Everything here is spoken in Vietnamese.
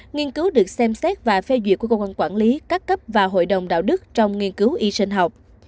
nghiên cứu được xem xét và phê duyệt của cơ quan quản lý các cấp và hội đồng đạo đức trong nghiên cứu y sinh học